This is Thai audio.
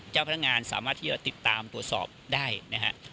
เจ้าพนักงานสามารถที่จะติดตามตรวจสอบได้นะฮะ